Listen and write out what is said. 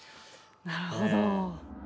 なるほど。